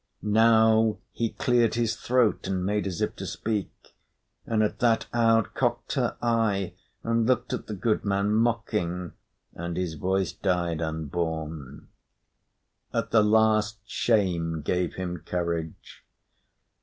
Now he cleared his throat and made as if to speak; and at that Aud cocked her eye and looked at the goodman mocking, and his voice died unborn. At the last, shame gave him courage.